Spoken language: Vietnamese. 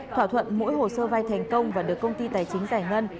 thỏa thuận mỗi hồ sơ vay thành công và được công ty tài chính giải ngân